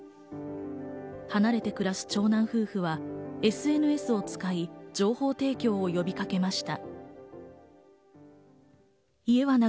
離れて暮らす長男夫婦は、ＳＮＳを使い情報提供を呼びかけました。